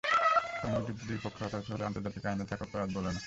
সম্মুখ যুদ্ধে দুই পক্ষই হতাহত হলে আন্তর্জাতিক আইনে তাকে অপরাধ বলে না।